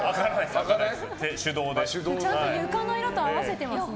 ちゃんと床の色と合わせてますね。